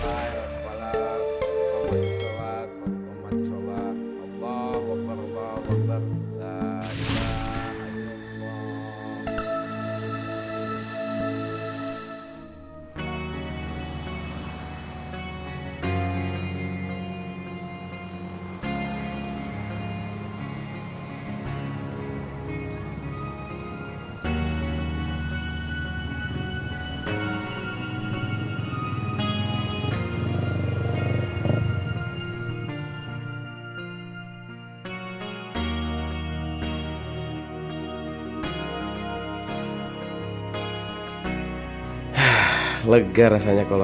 jangan lupa like share dan subcribe